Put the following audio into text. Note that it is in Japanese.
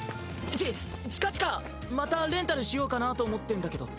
ち近々またレンタルしようかなぁと思ってんだけど。